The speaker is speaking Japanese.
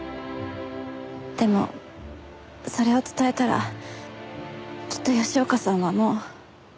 でもそれを伝えたらきっと吉岡さんはもう。